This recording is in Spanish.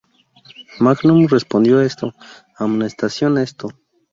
Magnum respondió a esto: ¡Amonestación esto!